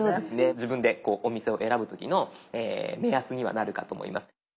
自分でお店を選ぶ時の目安にはなるかと思います。